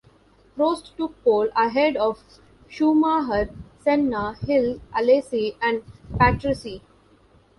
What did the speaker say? Prost took pole ahead of Schumacher, Senna, Hill, Alesi and Patrese.